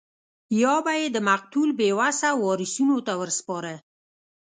یا به یې د مقتول بې وسه وارثینو ته ورسپاره.